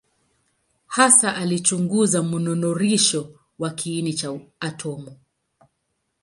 Hasa alichunguza mnururisho wa kiini cha atomu.